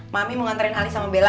mami mau nganterin ali sama bella